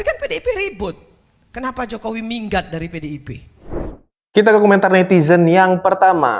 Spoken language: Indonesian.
kita ke komentar netizen yang pertama